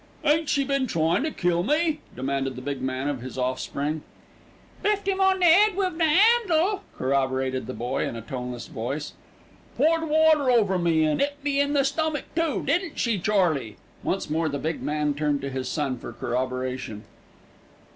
"Ain't she been tryin' to kill me?" demanded the big man of his offspring. "Biffed 'im on the 'ead wiv the 'andle," corroborated the boy in a toneless voice. "Poured water over me and 'it me in the stummick too, didn't she, Charley?" Once more the big man turned to his son for corroboration.